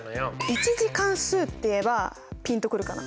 １次関数って言えばピンとくるかな？